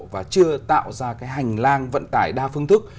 và chưa tạo ra cái hành lang vận tải đa phương thức